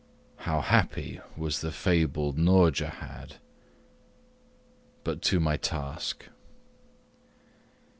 How happy was the fabled Nourjahad! But to my task.